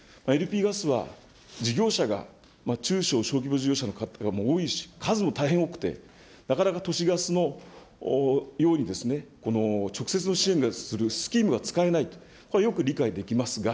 ＬＰガスは事業者が中小・小規模事業者の方も多いし数も大変多くて、なかなか都市ガスのように直接の支援をするスキームが使えないと、これはよく理解できますが、